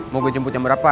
mau gue jemput jam berapa